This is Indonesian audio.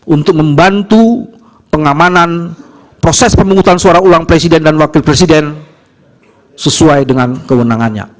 untuk membantu pengamanan proses pemungutan suara ulang presiden dan wakil presiden sesuai dengan kewenangannya